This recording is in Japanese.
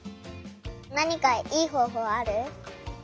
なにかいいほうほうある？